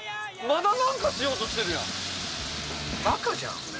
まだなんかしようとしてるやん！